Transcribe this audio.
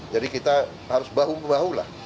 jadi kita harus bahu bahu